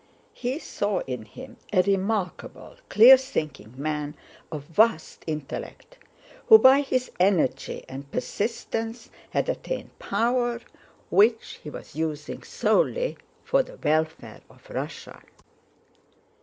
He saw in him a remarkable, clear thinking man of vast intellect who by his energy and persistence had attained power, which he was using solely for the welfare of Russia.